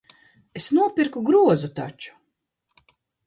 Es nopirku grozu taču.